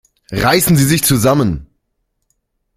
Reißen Sie sich zusammen!